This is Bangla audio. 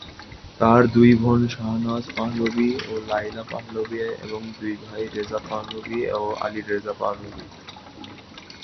তার দুই বোন শাহনাজ পাহলভি ও লেইলা পাহলভি এবং দুই ভাই রেজা পাহলভি ও আলি-রেজা পাহলভি।